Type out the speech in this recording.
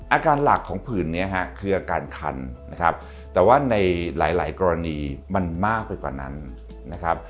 อาการหลักของผื่นนี้ฮะคืออาการคันนะครับแต่ว่าในหลายกรณีมันมากไปกว่านั้นนะครับ